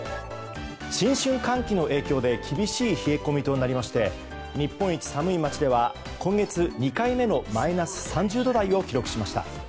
新春寒気の影響で厳しい冷え込みとなりまして日本一寒い町では今月２回目のマイナス３０度台を記録しました。